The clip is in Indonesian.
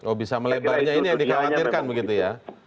oh bisa melebarnya ini yang dikhawatirkan begitu ya